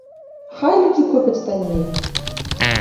Хай людзі купяць танней.